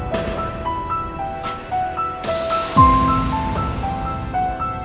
gue masuk aja deh ke dalam